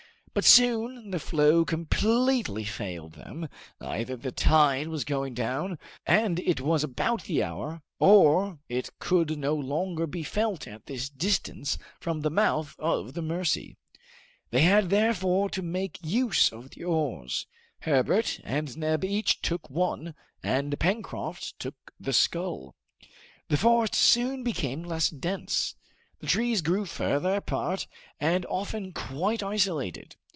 But soon the flow completely failed them, either the tide was going down, and it was about the hour, or it could no longer be felt at this distance from the mouth of the Mercy. They had therefore to make use of the oars. Herbert and Neb each took one, and Pencroft took the scull. The forest soon became less dense, the trees grew further apart and often quite isolated.